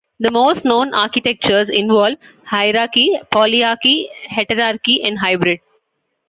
The most known architectures involve hierarchy, polyarchy, heterarchy, and hybrid.